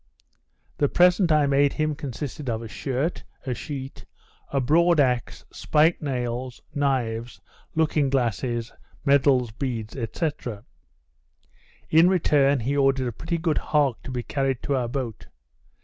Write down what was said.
The present I made him consisted of a shirt, a sheet, a broad axe, spike nails, knives, looking glasses, medals, beads, &c. in return, he ordered a pretty good hog to be carried to our boat.